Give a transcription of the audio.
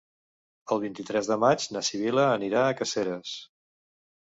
El vint-i-tres de maig na Sibil·la anirà a Caseres.